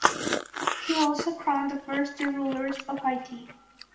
He also crowned the first two rulers of Haiti.